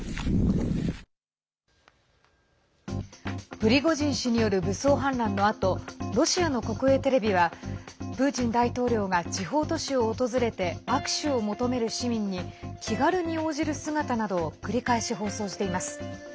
プリゴジン氏による武装反乱のあとロシアの国営テレビはプーチン大統領が地方都市を訪れて握手を求める市民に気軽に応じる姿などを繰り返し放送しています。